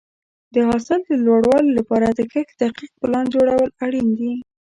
د حاصل د لوړوالي لپاره د کښت دقیق پلان جوړول اړین دي.